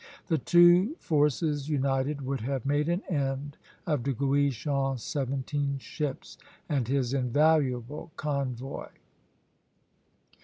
The two forces united would have made an end of De Guichen's seventeen ships and his invaluable convoy.